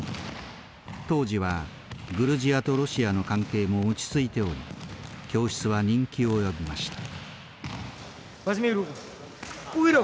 当時はグルジアとロシアの関係も落ち着いており教室は人気を呼びました。